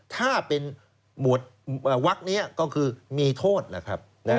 ถ้าเป็นวักนี้ก็คือมีโทษล่ะครับ